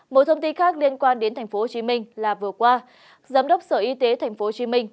một thông tin khác liên quan đến tp hcm là vừa qua giám đốc sở y tế tp hcm